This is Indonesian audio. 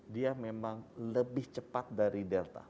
dia memang lebih cepat dari delta